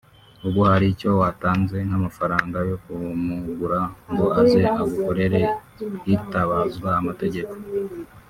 uba hari icyo watanze nk’amafaranga yo kumugura ngo aze agukorere hitabazwa amategeko